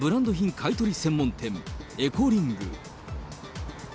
買い取り専門店、エコリング。